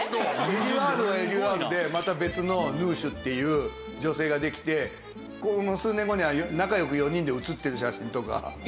エリュアールはエリュアールでまた別のヌーシュっていう女性ができてこの数年後には仲良く４人で写ってる写真とか。